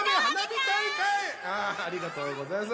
ありがとうございます。